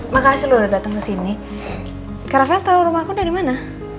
makasih lo udah dateng kesini karena feltal rumahku dari mana